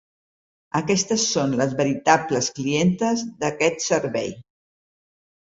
Aquestes són les veritables clientes d'aquest servei.